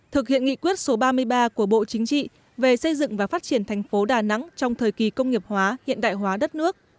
thực hiện nghị quyết số ba mươi ba của bộ chính trị về xây dựng và phát triển thành phố đà nẵng trong thời kỳ công nghiệp hóa hiện đại hóa đất nước